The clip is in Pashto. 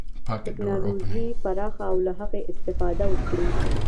ټکنالوژي پراخه او له هغې استفاده وکړي.